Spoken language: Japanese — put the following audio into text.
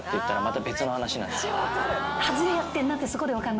外れやってんなってそこで分かんのか。